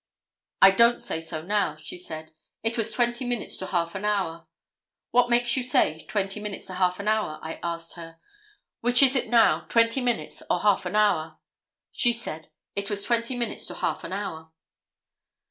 'I don't say so now,' she said, 'It was twenty minutes to half an hour.' 'What makes you say twenty minutes to half an hour?' I asked her; 'Which is it now, twenty minutes or half an hour?' She said, 'It was twenty minutes to half an hour.